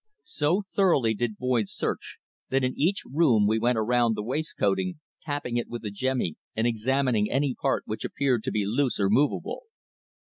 So thoroughly did Boyd search that in each room he went around the wainscoting, tapping it with the jemmy and examining any part which appeared to be loose or movable.